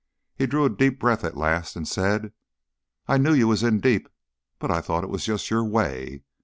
He drew a deep breath at last and said: "I knew you was in deep, but I thought it was just your way.